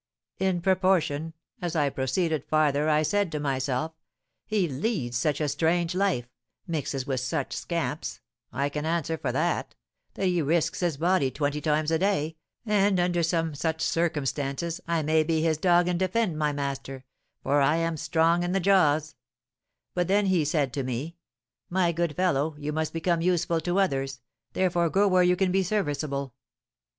In proportion as I proceeded farther I said to myself, 'He leads such a strange life, mixes with such scamps (I can answer for that), that he risks his body twenty times a day, and, under some such circumstances, I may be his dog and defend my master, for I am strong in the jaws;' but then he had said to me,'My good fellow, you must become useful to others, therefore go where you can be serviceable.'